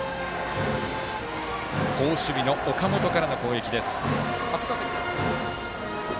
好守備の岡本からの攻撃。